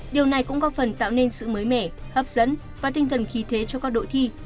điều này cũng có phần tạo nên sự mới mẻ hấp dẫn và tinh thần khí thế cho các đội thi